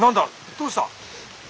どうした？